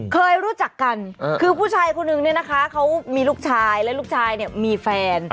เคยรู้จักกันคือผู้ชายคนนึงเนี่ยนะคะเขามีลูกชายและลูกชายเนี่ยมีแฟน